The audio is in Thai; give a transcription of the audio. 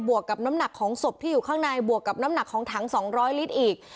วกกับน้ำหนักของศพที่อยู่ข้างในบวกกับน้ำหนักของถัง๒๐๐ลิตรอีก